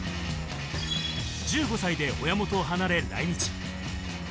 １５歳で親元を離れ来日。